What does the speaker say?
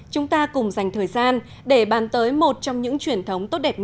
hết công điện